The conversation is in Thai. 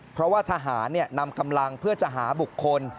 เพราะว่าทหารนำกำลังเพื่อจะหาบุคคล